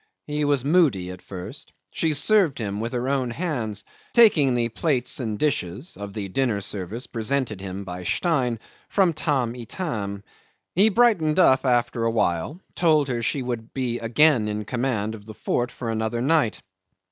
He was moody at first; she served him with her own hands, taking the plates and dishes (of the dinner service presented him by Stein) from Tamb' Itam. He brightened up after a while; told her she would be again in command of the fort for another night.